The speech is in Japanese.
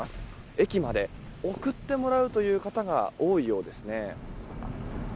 駅まで送ってもらうという方が多いようですね。